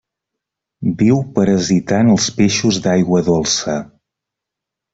Viu parasitant els peixos d'aigua dolça.